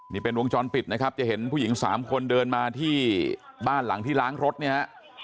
นี่เป็นวงจรปิดนะครับจะเห็นผู้หญิงสามคนเดินมาที่บ้านหลังที่ล้างรถเนี่ยฮะ